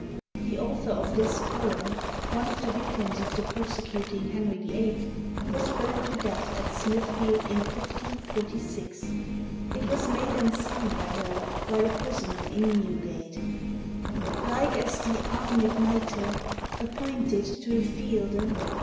[The author of this poem, one of the victims of the per secuting Henry VIII., was burnt to death at Smithfield in 1546. It was made and sung by her while a prisoner in Newgate.] Like as the armed Knighte, Appointed to the fielde.